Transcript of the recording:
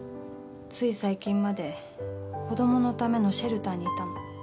つい最近まで子どものためのシェルターにいたの。